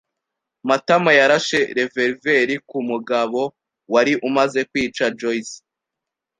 Matama yarashe reververi ku mugabo wari umaze kwica Joyci.